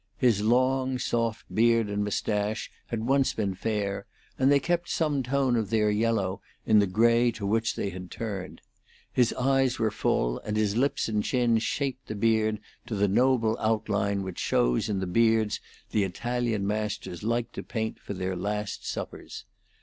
His long, soft beard and mustache had once been fair, and they kept some tone of their yellow in the gray to which they had turned. His eyes were full, and his lips and chin shaped the beard to the noble outline which shows in the beards the Italian masters liked to paint for their Last Suppers.